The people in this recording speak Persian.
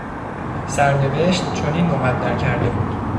سرنوشت چنین مقدر کرده بود.